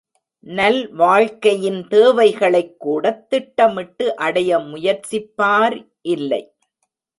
நல்வாழ்க்கையின் தேவைகளைக்கூடத் திட்டமிட்டு அடைய முயற்சிப்பார் இல்லை.